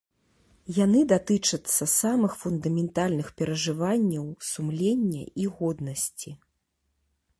Яны датычацца самых фундаментальных перажыванняў сумлення і годнасці.